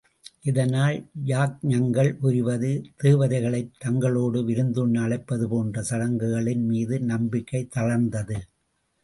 இதனால் யக்ஞங்கள் புரிவது, தேவதைகளைத் தங்களோடு விருந்துண்ண அழைப்பது போன்ற சடங்குகளின் மீது நம்பிக்கை தளர்ந்தது.